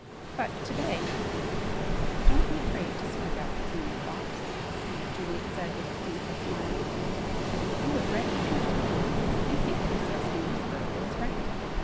But to day " "Don't be afraid to speak out what's in your thoughts," Juliet said with a painful smile. "You have read the Inner Circle. You think the disgusting 'Whisperer' is right!